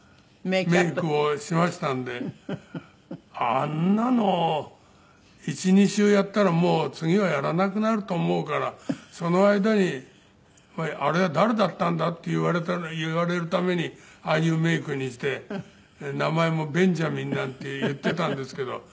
あんなの１２週やったらもう次はやらなくなると思うからその間にあれは誰だったんだ？って言われるためにああいうメイクにして名前もベンジャミンなんて言っていたんですけど。